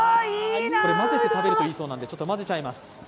これ混ぜて食べるといいそうなので、混ぜちゃいます。